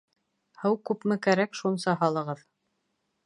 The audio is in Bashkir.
Һыу күпме кәрәк, шунса һалығыҙ